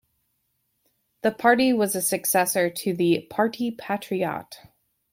The party was a successor to the "Parti patriote".